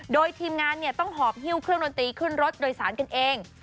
โดยทีมงานต้องหอบฮิ้วเครื่องดนตรีขึ้นรถโดยสารกันเอง